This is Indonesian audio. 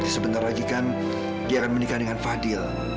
sebentar lagi kan dia akan menikah dengan fadil